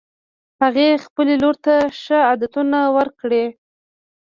هغې خپلې لور ته ښه عادتونه ورکړي